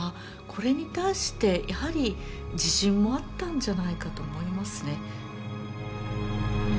これに対してやはり自信もあったんじゃないかと思いますね。